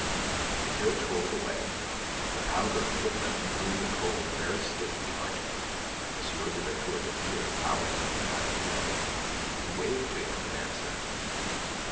The carriage rolled away, the powdered footman in blue and gold very stiff behind it, M. de La Tour d'Azyr bowing to mademoiselle, who waved to him in answer.